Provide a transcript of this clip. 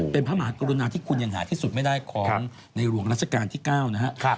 เป็นพระมหากรุณาที่คุณยังหาที่สุดไม่ได้ของในหลวงราชการที่๙นะครับ